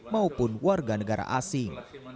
maupun warga negara asing